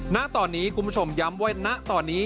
ณตอนนี้กลุ่มผู้ชมย้ำไว้ณตอนนี้